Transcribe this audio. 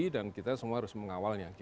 dan kita semua harus mengawalnya